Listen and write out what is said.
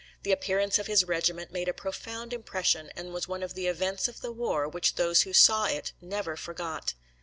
The appearance of his regiment made a profound impression, and was one of the events of the war which those who saw it never forgot.